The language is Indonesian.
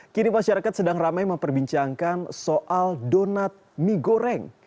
kini masyarakat sedang ramai memperbincangkan soal donat mie goreng